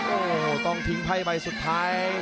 โอ้โหต้องทิ้งไพ่ใบสุดท้าย